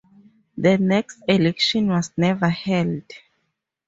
The next election was never held.